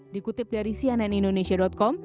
dikutip dari sianenindonesia com